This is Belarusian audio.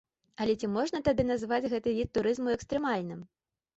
Але ці можна тады назваць гэты від турызму экстрэмальным?